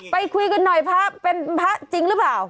ไปคุยกันหน่อยพระเป็นพระจริงหรือเปล่า